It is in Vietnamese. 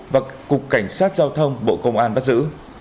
và cục cảnh sát giao thông bộ công an bắt giữ